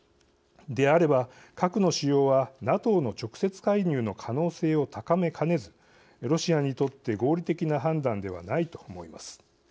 であれば、核の使用はＮＡＴＯの直接介入の可能性を高めかねずロシアにとって合理的な判断ではないと思います。